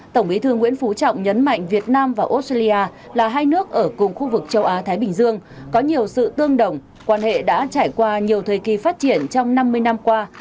tổng bí thư nguyễn phú trọng nhấn mạnh việt nam và australia là hai nước ở cùng khu vực châu á thái bình dương có nhiều sự tương đồng quan hệ đã trải qua nhiều thời kỳ phát triển trong năm mươi năm qua